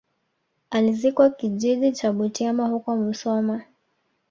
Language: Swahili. Alizikwa kijiji cha Butiama huko musoma